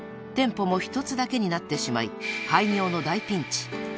［店舗も１つだけになってしまい廃業の大ピンチ］